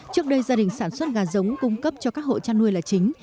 trước đây gia đình sản xuất gà giống cung cấp cho các hộ chăn nuôi là chính